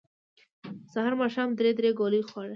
سحر ماښام درې درې ګولۍ خوره